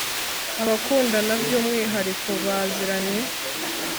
abakundana, byu mwihariko baziranye